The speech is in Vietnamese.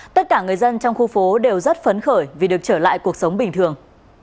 tất cả người dân trong khu phố đều rất phấn khởi vì được trở lại cuộc sống bình thường